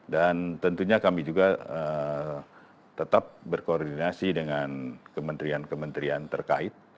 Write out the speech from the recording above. dan tentunya kami juga tetap berkoordinasi dengan kementerian kementerian terkait